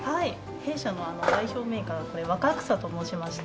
弊社の代表銘菓が「若草」と申しまして。